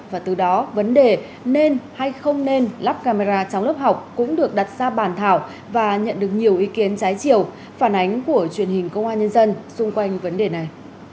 và từ đó vấn đề nên hay không nên lắp camera trong lớp học cũng được đặt ra bản thảo và nhận được nhiều ý kiến trái chiều phản ánh của truyền hình công an nhân dân xung quanh vấn đề này